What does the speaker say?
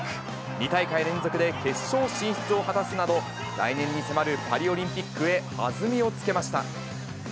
２大会連続で決勝進出を果たすなど、来年に迫るパリオリンピックへ弾みをつけました。